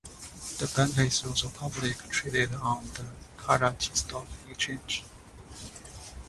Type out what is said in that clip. The Bank is also publicly traded on the Karachi Stock Exchange.